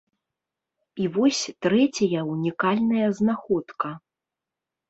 І вось трэцяя ўнікальная знаходка.